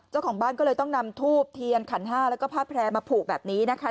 เจ้าของบ้านก็เลยต้องนำทูบเทียนขันห้าแล้วก็ผ้าแพร่มาผูกแบบนี้นะคะ